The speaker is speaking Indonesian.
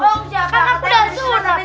kan aku udah sunat